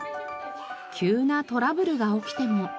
急なトラブルが起きても。